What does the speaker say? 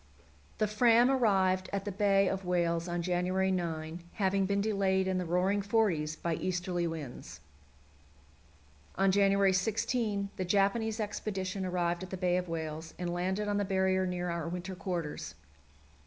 The Fram arrived at the Bay of Whales on January 9, having been delayed in the "Roaring Forties" by easterly winds. On January 16 the Japanese expedition arrived at the Bay of Whales, and landed on the Barrier near our winter quarters.